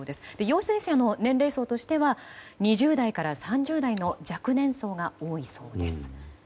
陽性者の年齢層としては２０代から３０代の若年層が多いそうです。